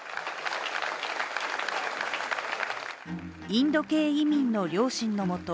インド系移民の両親のもと